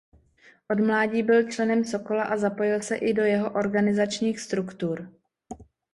Od mládí byl členem Sokola a zapojil se i do jeho organizačních struktur.